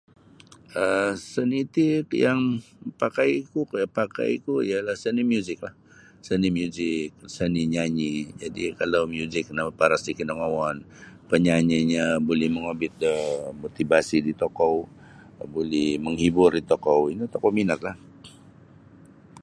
um seni ti yang pakaiku kejap pakaiku ialah seni muziklah, seni muzik, seni nyanyi, jadi kalau miuzik no maparas sikit kinangouon panyanyinyo buli nongobit da motivasi da tokou, buli menghibur ri tokou, tokou minatlah